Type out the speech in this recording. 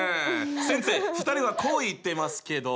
先生２人はこう言っていますけど？